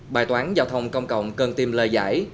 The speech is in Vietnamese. bài toán giao thông công cộng cần tìm lời giải